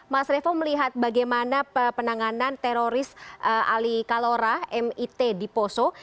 mas revo melihat bagaimana penanganan teroris ali kalora mit di poso